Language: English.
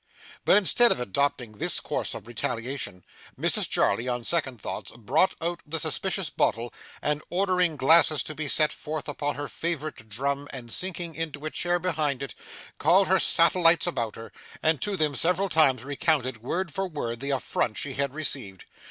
But instead of adopting this course of retaliation, Mrs Jarley, on second thoughts, brought out the suspicious bottle, and ordering glasses to be set forth upon her favourite drum, and sinking into a chair behind it, called her satellites about her, and to them several times recounted, word for word, the affronts she had received.